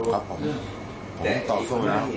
ครับผมผมต่อสู้แล้ว